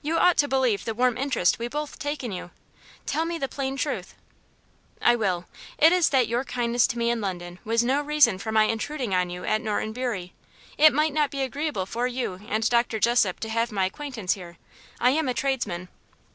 "You ought to believe the warm interest we both take in you. Tell me the plain truth." "I will. It is that your kindness to me in London was no reason for my intruding on you at Norton Bury. It might not be agreeable for you and Dr. Jessop to have my acquaintance here. I am a tradesman."